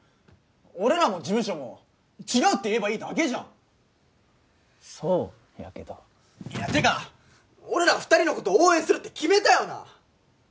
俺らも事務所も違うって言えばいいだけじゃんそうやけどいやてか俺ら二人のこと応援するって決めたよな